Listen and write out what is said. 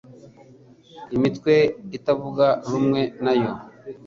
imitwe itavuga rumwe nayo